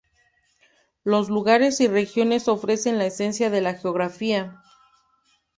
Los lugares y regiones ofrecen la esencia de la geografía.